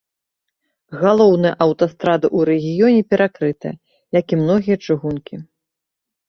Галоўная аўтастрада ў рэгіёне перакрытая, як і многія чыгункі.